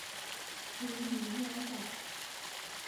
ถือหูโทรศัพท์